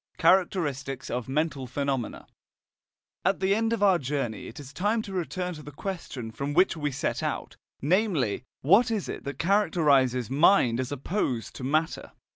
CHARACTERISTICS OF MENTAL PHENOMENA At the end of our journey it is time to return to the question from which we set out, namely: What is it that characterizes mind as opposed to matter?